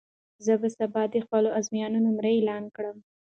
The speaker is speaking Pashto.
زه به سبا د خپلو ازموینو نمرې اعلان کړم.